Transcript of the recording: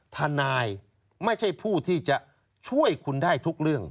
ทนายไม่ใช่ผู้ที่จะช่วยคุณได้ทุกเรื่อง